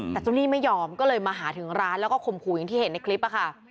แต่เจ้าหนี้ไม่ยอมก็เลยมาหาถึงร้านแล้วก็ข่มขู่อย่างที่เห็นในคลิปค่ะ